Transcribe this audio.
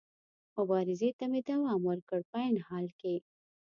مبارزې ته مې دوام ورکړ، په عین حال کې.